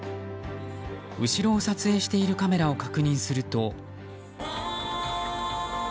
後ろを撮影しているカメラを確認すると。